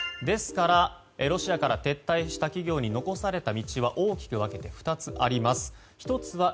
ですから、ロシアから撤退した企業に残された道は大きく分けて２つあります。